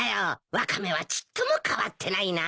ワカメはちっとも変わってないな。